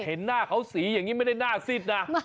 เห็นหน้าเขาสีอย่างนี้ไม่ได้หน้าซิดนะ